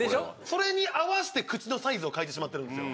それに合わせて口のサイズを描いてしまってるんですよ。